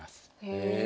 へえ。